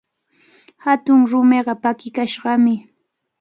Hatun rumiqa pakikashqami.